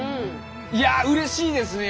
いやあうれしいですね！